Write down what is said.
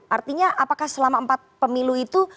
artinya apakah selama empat pemilu itu